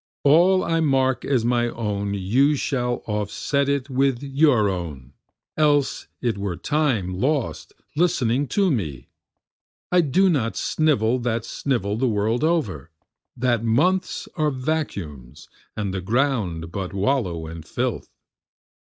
All I mark as my own you shall offset it with your own, Else it were time lost listening to me. I do not snivel that snivel the world over, That months are vacuums and the ground but wallow and filth.